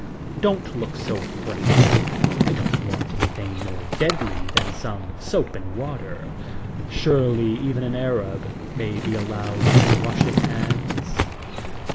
"Don't look so frightened. I don't want anything more deadly than some soap and water. Surely even an Arab may be allowed to wash his hands?"